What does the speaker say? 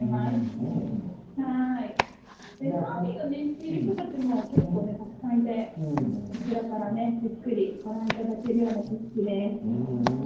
サーフィンをしている人も結構たくさんいてこちらから、ゆっくりご覧いただけるような景色です。